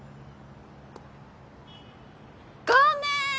ごめん！